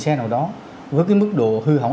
xe nào đó với cái mức độ hư hỏng